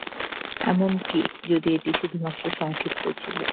এমনকি যদি এটি শুধুমাত্র সংক্ষিপ্ত ছিল।